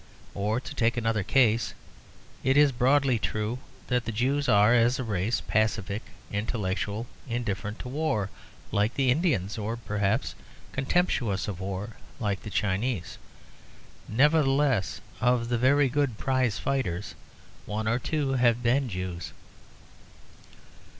Or, to take another case: it is, broadly speaking, true that the Jews are, as a race, pacific, intellectual, indifferent to war, like the Indians, or, perhaps, contemptuous of war, like the Chinese: nevertheless, of the very good prize fighters, one or two have been Jews.